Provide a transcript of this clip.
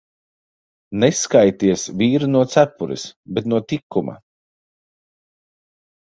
Neskaities vīru no cepures, bet no tikuma.